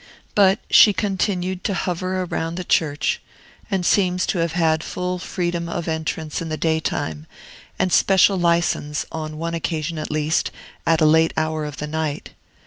But she continued to hover around the church, and seems to have had full freedom of entrance in the daytime, and special license, on one occasion at least, at a late hour of the night.